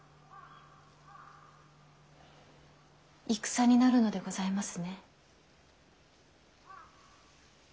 戦になるのでございますね。